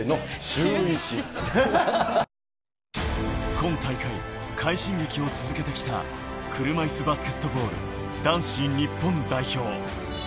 今大会、快進撃を続けてきた車いすバスケットボール男子日本代表。